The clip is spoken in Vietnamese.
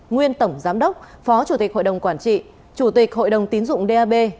nguyên tổng giám đốc phó chủ tịch hội đồng quản trị chủ tịch hội đồng tín dụng dab